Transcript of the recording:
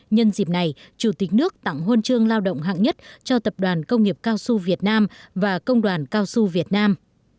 nhân dịp này chủ tịch nước tặng huân chương lao động hạng nhất cho tập đoàn công nghiệp cao su việt nam và công đoàn cao su việt nam